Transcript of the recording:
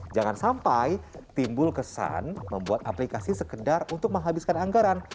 jangan sampai timbul kesan membuat aplikasi sekedar untuk menghabiskan anggaran